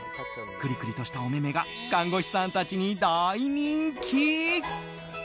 くりくりとしたお目々が看護師さんたちに大人気。